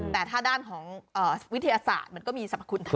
แต่ถ้าด้านของวิทยาศาสตร์มันก็มีสรรพคุณธรรม